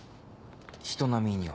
人並みには。